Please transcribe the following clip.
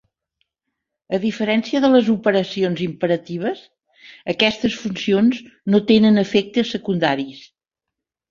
A diferència de les operacions imperatives, aquestes funcions no tenen efectes secundaris.